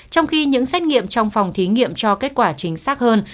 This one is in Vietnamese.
trong khi những xét nghiệm trong phòng thí nghiệm cho kết quả chính xác hơn